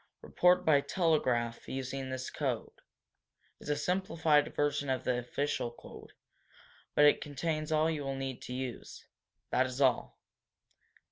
Report by telegraph, using this code. It's a simplified version of the official code, but it contains all you will need to use. That is all."